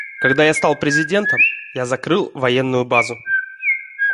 Когда я стал президентом, я закрыл военную базу.